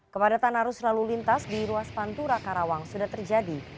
kepadatan arus lalu lintas di ruas pantura karawang sudah terjadi